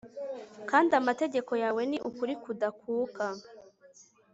kandi amategeko yawe ni ukuri kudakuka